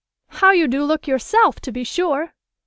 how you do look yourself, to be sure!"